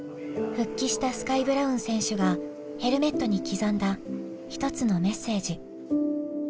復帰したスカイ・ブラウン選手がヘルメットに刻んだ一つのメッセージ。